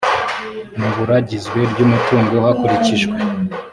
mu buragizwe ry umutungo hakurikijwe